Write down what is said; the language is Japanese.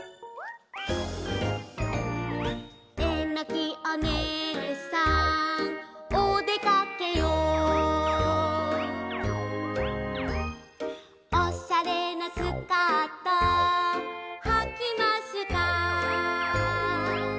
「えのきお姉さんおでかけよ」「おしゃれなスカートはきました」